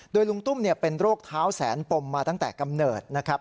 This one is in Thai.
โดยลุงตุ้มเป็นโรคเท้าแสนปมมาตั้งแต่กำเนิดนะครับ